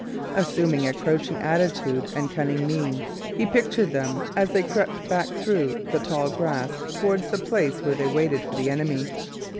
Assuming a crouching attitude and cunning mien, he pictured them as they crept back through the tall grass towards the place where they waited for the enemy.